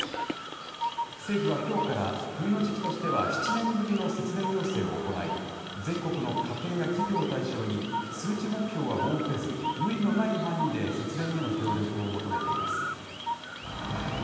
政府はきょうから、冬の時期としては７年ぶりの節電要請を行い、全国の家庭や企業を対象に、数値目標は設けず、無理のない範囲で節電への協力を求めています。